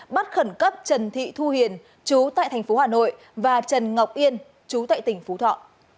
bắt khẩn cấp trần thị thu hiền chú tại thành phố hà nội và trần ngọc yên chú tại tỉnh phú thọ